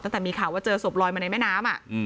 ตั้งแต่มีข่าวว่าเจอศพลอยมาในแม่น้ำ